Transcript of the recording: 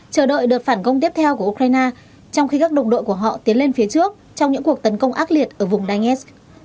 chờ đợi đợt phản công tiếp theo của ukraine trong khi các đồng đội của họ tiến lên phía trước trong những cuộc tấn công ác liệt ở vùng danetsk